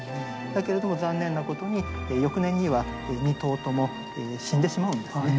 だけれども残念なことに翌年には２頭とも死んでしまうんですね。